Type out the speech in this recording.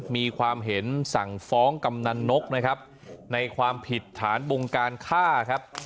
มีความเห็นสั่งฟ้องกำนันนกนะครับในความผิดฐานบงการฆ่าครับ